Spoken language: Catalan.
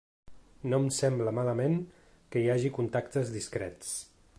No em sembla malament que hi hagi contactes discrets.